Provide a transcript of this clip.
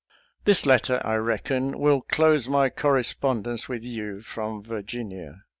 • This letter, I reckon, will close my corre spondence with you from Virginia.